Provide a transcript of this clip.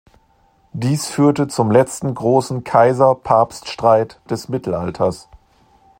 Dies führte zum „letzten großen Kaiser-Papst-Streit des Mittelalters“.